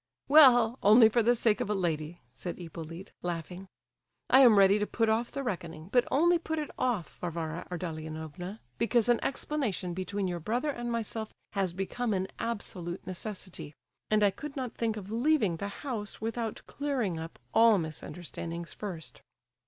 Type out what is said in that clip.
"Well, only for the sake of a lady," said Hippolyte, laughing. "I am ready to put off the reckoning, but only put it off, Varvara Ardalionovna, because an explanation between your brother and myself has become an absolute necessity, and I could not think of leaving the house without clearing up all misunderstandings first."